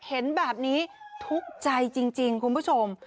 เห็นแบบนี้ทุกข์ใจจริงคุณผู้ชม